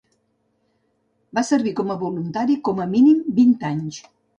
Va servir com voluntari com a mínim vint anys.